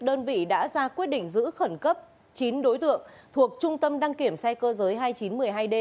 đơn vị đã ra quyết định giữ khẩn cấp chín đối tượng thuộc trung tâm đăng kiểm xe cơ giới hai nghìn chín trăm một mươi hai d